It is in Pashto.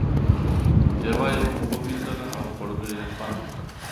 یوه یوه مو ووینځله او خوړلو یې خوند وکړ.